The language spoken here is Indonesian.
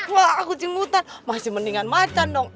wah kucing mutan masih mendingan macan dong